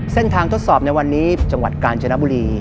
ทดสอบในวันนี้จังหวัดกาญจนบุรี